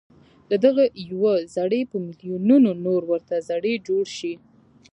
له دغه يوه زړي په ميليونونو نور ورته زړي جوړ شي.